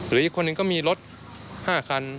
หรืออีกคนหนึ่งก็มีรจ์๕คัน